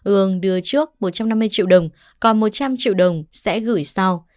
ương đưa trước một trăm năm mươi triệu đồng còn một trăm linh triệu đồng sẽ gửi sau